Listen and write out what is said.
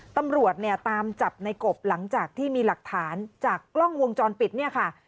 ตำรวจเนี่ยตามจับในกบหลังจากที่มีหลักฐานจากกล้องวงจรปิดเนี่ยค่ะ